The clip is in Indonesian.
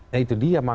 ya itu dia makanya